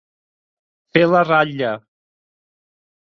Fer la ratlla.